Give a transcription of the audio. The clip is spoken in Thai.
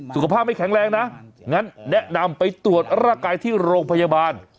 สุขภาพไม่แข็งแรงนะงั้นแนะนำไปตรวจร่างกายที่โรงพยาบาล